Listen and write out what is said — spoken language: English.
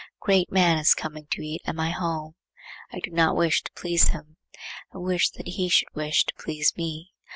A great man is coming to eat at my house. I do not wish to please him; I wish that he should wish to please me.